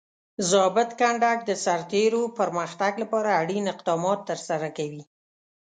ضابط کنډک د سرتیرو پرمختګ لپاره اړین اقدامات ترسره کوي.